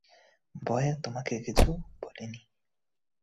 ভয়ে তোমাকে কিছু বলিনি।